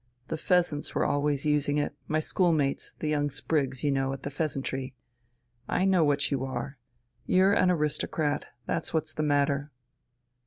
The 'Pheasants' were always using it my schoolmates, the young sprigs, you know, at the 'Pheasantry.' I know what you are. You're an aristocrat, that's what's the matter."